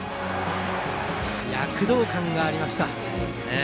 躍動感がありました。